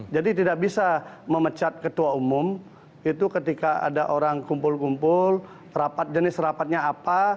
jadi tidak bisa memecat ketua umum itu ketika ada orang kumpul kumpul rapat jenis rapatnya apa